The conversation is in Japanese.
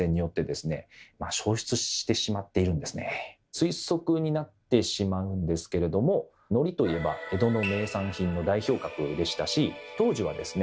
推測になってしまうんですけれどものりといえば江戸の名産品の代表格でしたし当時はですね